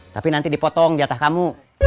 tapi nanti dipotong di atas kamu